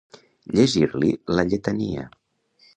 Llegir-li la lletania.